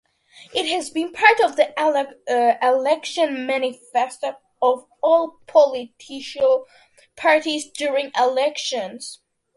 It has been part of the election manifestos of all political parties during elections.